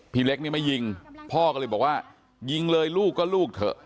พี่เล็กนี่ไม่ยิงพ่อก็เลยบอกว่ายิงเลยลูกก็ลูกเถอะ